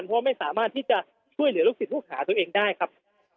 เพราะไม่สามารถที่จะช่วยเหลือลูกศิษย์ลูกหาตัวเองได้ครับ